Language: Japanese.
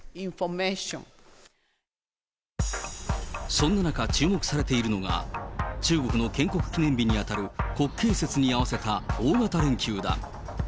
そんな中、注目されているのが、中国の建国記念日にあたる国慶節に合わせた大型連休だ。